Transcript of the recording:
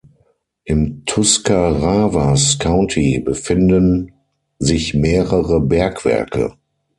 Im Tuscarawas County befinden sich mehrere Bergwerke.